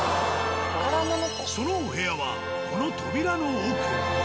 そのお部屋はこの扉の奥。